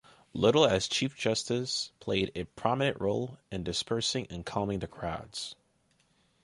Little, as Chief Justice, played a prominent role in dispersing and calming the crowds.